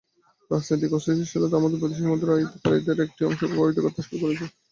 রাজনৈতিক অস্থিতিশীলতা আমাদের বৈদেশিক মুদ্রা আয়কারীদের একটি অংশকে প্রভাবিত করতে শুরু করেছে।